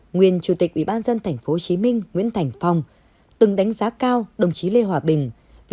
nguyên chủ tịch ủy ban dân tp hcm nguyễn thành phong từng đánh giá cao đồng chí lê hòa bình